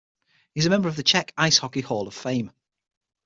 He is a member of Czech Ice Hockey Hall of Fame.